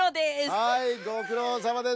はいごくろうさまです。